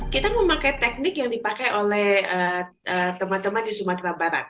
kita memakai teknik yang dipakai oleh teman teman di sumatera barat